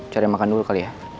cari makan dulu kali ya